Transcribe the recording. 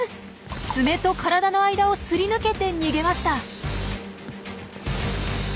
爪と体の間をすり抜けて逃げました。